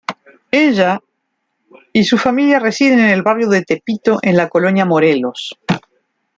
Ella y su familia residen en el Barrio de Tepito en la Colonia Morelos.